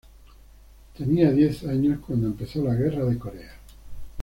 Tenía diez años cuando empezó la Guerra de Corea.